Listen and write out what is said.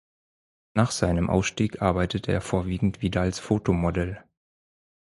Nach seinem Ausstieg arbeitete er vorwiegend wieder als Fotomodel.